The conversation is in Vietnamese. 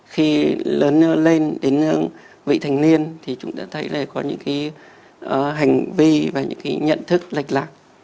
khi lớn lên đến vị thành niên thì chúng ta thấy là có những hành vi và những nhận thức lạch lạc